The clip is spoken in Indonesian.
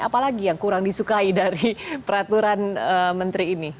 apa lagi yang kurang disukai dari peraturan menteri ini